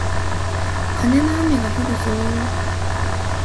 カネの雨がふるぞー